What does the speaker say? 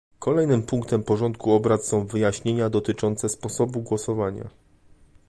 Kolejnym punktem porządku obrad są wyjaśnienia dotyczące sposobu głosowania